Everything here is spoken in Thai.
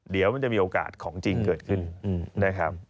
เดี๋ยวมันจะมีโอกาสของจริงเกิดขึ้นนะครับ